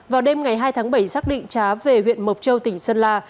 vào đêm ngày hai tháng bảy xác định trá về huyện mộc châu tỉnh sơn la